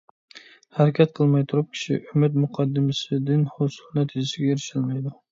ھەرىكەت قىلماي تۇرۇپ كىشى ئۈمىد مۇقەددىمىسىدىن ھوسۇل نەتىجىسىگە ئېرىشەلمەيدۇ.